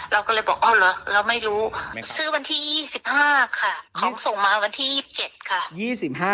เราก็เลยบอกอ๋อเหรอเราไม่รู้ซื้อวันที่๒๕ค่ะเขาส่งมาวันที่๒๗ค่ะ